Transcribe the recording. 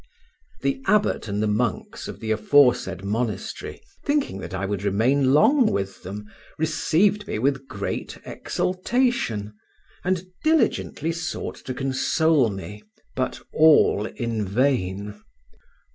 The abbot and the monks of the aforesaid monastery, thinking that I would remain long with them, received me with great exultation, and diligently sought to console me, but all in vain.